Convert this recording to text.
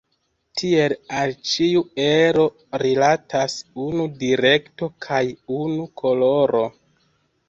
Tiel al ĉiu ero rilatas unu direkto kaj unu koloro.